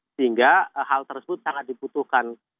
sehingga hal tersebut sangat dibutuhkan